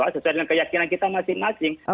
sesuai dengan keyakinan kita masing masing